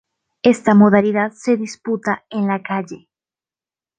Esta modalidad se disputa en la calle.